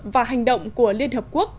và hành động của liên hợp quốc